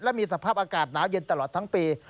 และมีสภาพอากาศหนาวเย็นตลอดทั้งปี